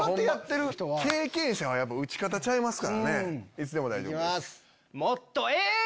いつでも大丈夫です。